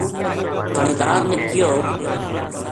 تھہانیدار نے کہیو